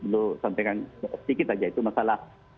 belum sampaikan sedikit saja itu masalah